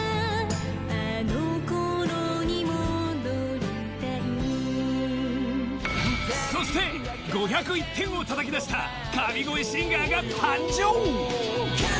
あの頃に戻りたいそして５０１点をたたき出した神声シンガーが誕生